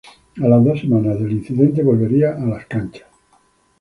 A las dos semanas del incidente volvería a las canchas.